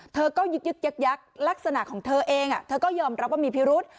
เธอก็ยึกยักษ์ลักษณะของเธอเองเธอก็ยอมรับว่ามีพิรุษ